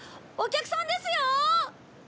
お客さんですよ。